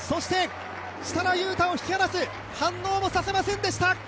そして、設楽悠太を引き離す、反応もさせませんでした。